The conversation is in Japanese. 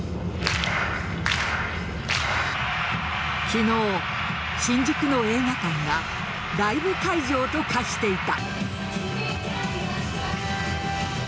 昨日、新宿の映画館がライブ会場と化していた。